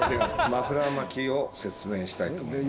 マフラー巻きを説明したいと思います。